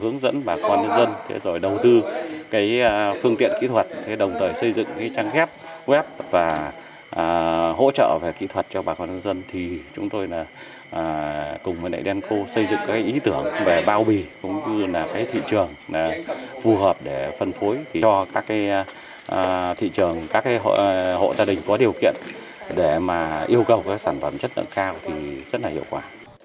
nếu yêu cầu sản phẩm chất lượng cao thì rất hiệu quả